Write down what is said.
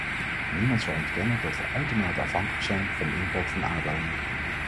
Niemand zal ontkennen dat we uitermate afhankelijk zijn van de import van aardolie.